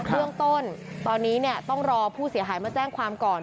เรื่องต้นตอนนี้ต้องรอผู้เสียหายมาแจ้งความก่อน